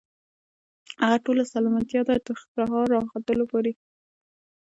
هغه ټوله سلامتيا ده، تر سهار راختلو پوري